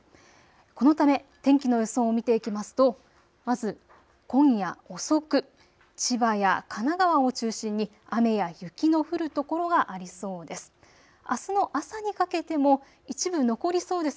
このため天気の予想を見ていきますとまず今夜遅く、千葉や神奈川を中心に雨や雪の降る所がありそうです。